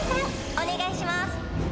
お願いします。